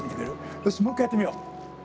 よしもう一回やってみよう。